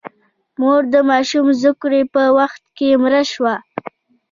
مور د ماشوم زوکړې په وخت کې مړه شوه.